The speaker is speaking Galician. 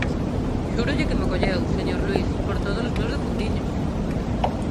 _Xúrolle que mo colleu, señor Luís, ¡por tódolos meus defuntiños!